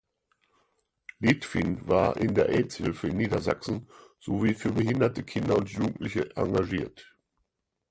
Litfin war in der Aidshilfe in Niedersachsen sowie für behinderte Kinder und Jugendliche engagiert.